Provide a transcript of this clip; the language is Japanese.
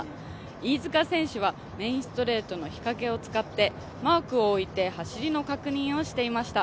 飯塚選手はメインストレートの日陰を使って、マークを置いて走りの確認をしていました。